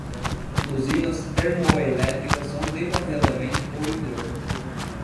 Usinas termoelétricas são demasiadamente poluidoras